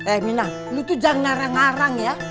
ehm minah lu tuh jangan narang narang ya